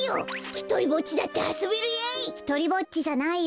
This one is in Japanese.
・ひとりぼっちじゃないよ。